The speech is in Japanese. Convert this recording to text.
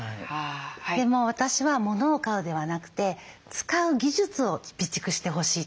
でも私はものを買うではなくて使う技術を備蓄してほしいと思ってます。